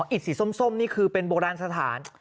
อิดสีส้มนี่คือเป็นโบราณสถาน